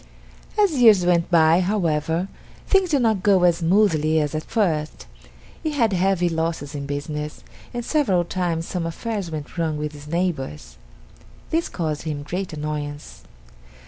As years went by, however, things did not go as smoothly as at first. He had heavy losses in business, and several times some affairs went wrong with his neighbors. This caused him great annoyance.